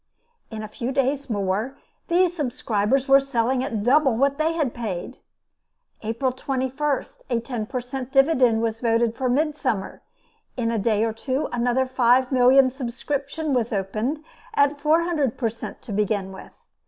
In a few days more, these subscribers were selling at double what they paid. April 21st, a ten per cent. dividend was voted for midsummer. In a day or two, another five million subscription was opened at four hundred per cent. to begin with.